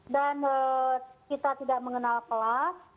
dan kita tidak mengenal pelas